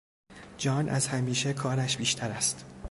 جان از همیشه کارش بیشتر است.